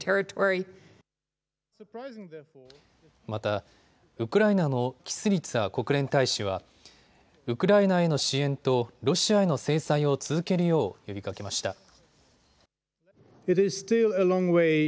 またウクライナのキスリツァ国連大使はウクライナへの支援とロシアへの制裁を続けるよう呼びかけました。